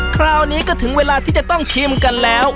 คราวนี้ก็ถึงเวลาที่จะต้องชิมกันแล้ว